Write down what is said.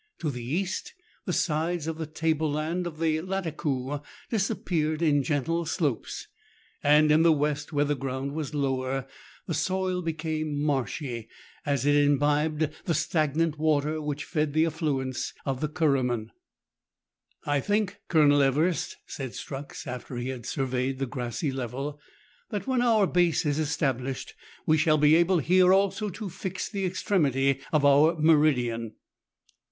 To the east, the sides of the table land of Lattakoo disappeared in gentle slopes ; and in the west, where the ground was lower, the soil became marshy, as it imbibed the stagnant water which fed the affluents of the Kuruman. " I think, Colonel Everest," said Strux, after he had surveyed the grassy level, "that when our base is esta blished, we shall be able here also to fix the extremity of our meridian."